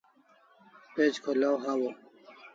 Page kholaw hawaw